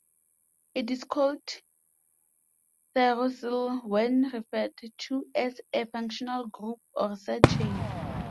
It is called tyrosyl when referred to as a functional group or side chain.